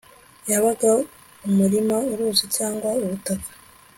Yaba umurima uruzi cyangwa ubutaka